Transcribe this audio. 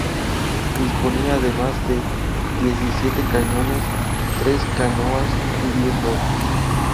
Disponía además de diecisiete cañones, tres canoas y diez botes.